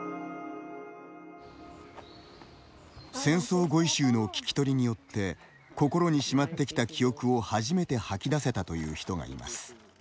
「戦争語彙集」の聞きとりによって心にしまってきた記憶を初めてはき出せたという人がいます。